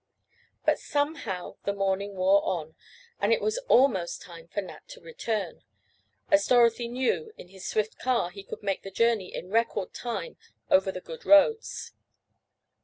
But, somehow, the morning wore on, and it was almost time for Nat to return, as Dorothy knew in his swift car he could make the journey in record time over the good roads.